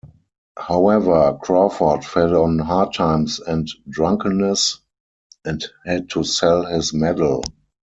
However, Crawford fell on hard times and drunkenness, and had to sell his medal.